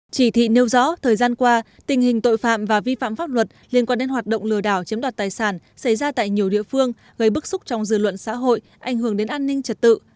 chỉ thị nêu rõ thời gian qua tình hình tội phạm và vi phạm pháp luật liên quan đến hoạt động lừa đảo chiếm đoạt tài sản xảy ra tại nhiều địa phương gây bức xúc trong dư luận xã hội ảnh hưởng đến an ninh trật tự